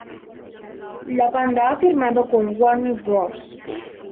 La banda ha firmado con Warner Bros.